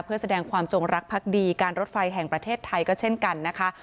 เพื่อแสดงความจงรักพักดีการรถไฟแห่งประเทศไทยก็เช่นกันนะคะ